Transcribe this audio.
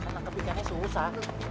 karena kepikannya susah